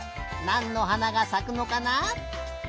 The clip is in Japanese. なんのはながさくのかな？